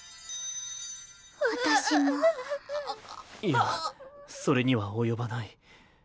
いやそれには及ばない。